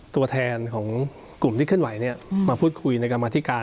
ตัวแทนของกลุ่มที่เคลื่อนไหวมาพูดคุยในกรรมธิการ